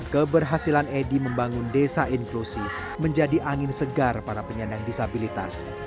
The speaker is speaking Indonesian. keberhasilan edy membangun desa inklusi menjadi angin segar para penyandang disabilitas